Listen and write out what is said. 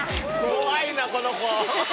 怖いなこの子。